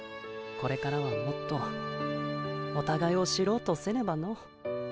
これからはもっとおたがいを知ろうとせねばの。